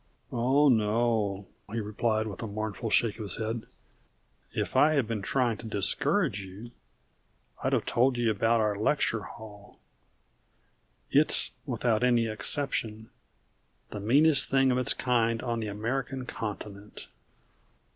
"Oh, no," he replied, with a mournful shake of his head. "If I'd been trying to discourage you, I'd have told you about our lecture hall. It's without any exception the meanest thing of its kind on the American continent.